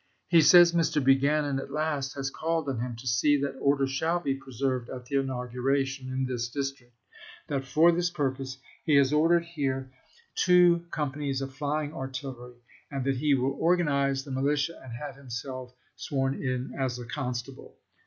He says Mr. Buchanan at last has called on him to see that order shall be pre served at the inauguration, in this District; that for this purpose he has ordered here two com panies of flying artillery, and that he will organize the militia and have himself sworn in as a con stable.